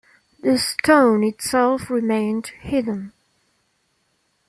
The stone itself remained hidden.